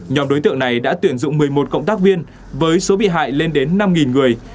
nhóm đối tượng này đã tuyển dụng một mươi một cộng tác viên với số bị hại lên đến năm người